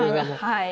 はい。